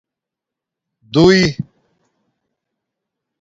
دُݸݵ